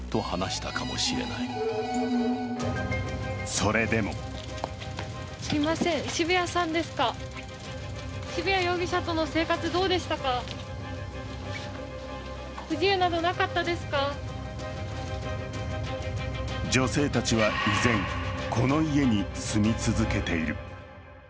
それでも女性たちは依然、この家に住み続けている。